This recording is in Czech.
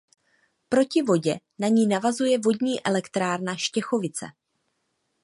Proti vodě na ní navazuje vodní elektrárna Štěchovice.